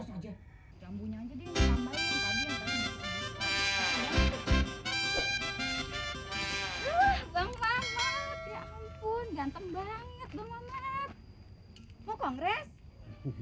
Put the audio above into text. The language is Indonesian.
bikin gampang banget ya ampun ganteng banget banget mau kongres ikut kongres bank bank